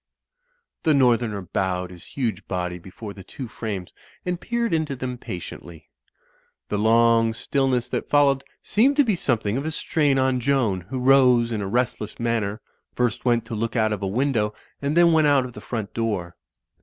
The northerner bowed his huge body before the two frames and peered into them patiently. The long still ness that followed seemed to be something of a strain on Joan, who rose in a restless manner, first went to look out of a window and then went out of the front door.